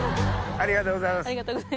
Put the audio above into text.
ありがとうございます。